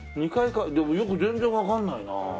２回でもよく全然わかんないな。